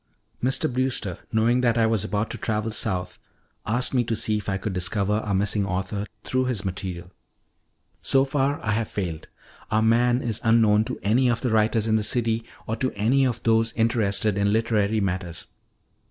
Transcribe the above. Mr. Brewster, knowing that I was about to travel south, asked me to see if I could discover our missing author through his material. So far I have failed; our man is unknown to any of the writers of the city or to any of those interested in literary matters.